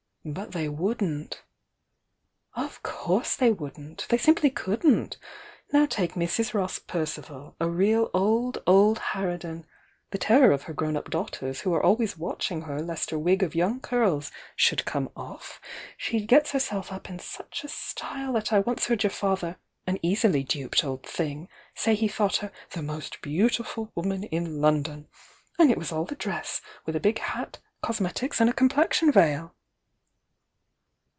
"But they wouldn't!" "Of course they wouldn't! They simply couldn't! Now take Mrs. Ross Percival,— a real old, old har ridan!— the terror of her grown up daughters, who are always watching her lest her wig of young curls should come off, — she gets herself up in such a style that I once heard your father— an easily duped old thing!— say he thought her 'the most beautiful woman in London!' And it was all the dress, with a big hat, cosmetics and a complexion veil!"